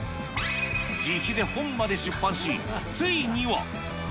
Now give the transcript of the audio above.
自費で本まで出版し、ついには。